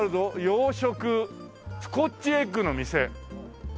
洋食スコッチエッグの店。